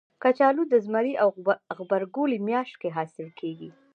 کچالو د زمري او غبرګولي میاشت کې حاصل کېږي